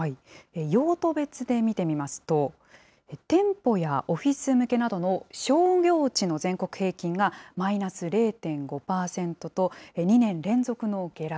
用途別で見てみますと、店舗やオフィス向けなどの商業地の全国平均がマイナス０．５％と、２年連続の下落。